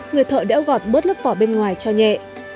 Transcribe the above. người thợ đéo gọt bớt lớp vỏ bên ngoài cho nhẹ